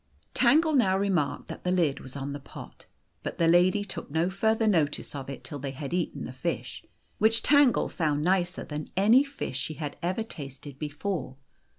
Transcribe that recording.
Tangle now remarked that the lid was on the pot. But the lady took no further notice of it till they had eaten the fish, which Tangle found nicer than any fish she had ever tasted before.